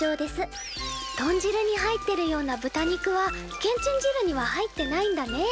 豚汁に入ってるような豚肉はけんちん汁には入ってないんだね。